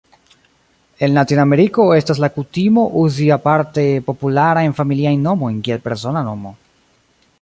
En Latinameriko estas la kutimo uzi aparte popularajn familiajn nomojn kiel persona nomo.